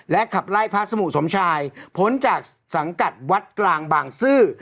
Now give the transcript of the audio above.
ขับไล่พระสมุสมชายพ้นจากสังกัดวัดกลางบางซื่อ